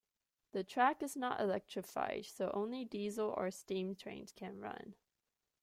The track is not electrified, so only diesel or steam trains can run.